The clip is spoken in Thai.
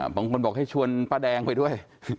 บางคนบอกให้ชวนป้าแดงไปด้วย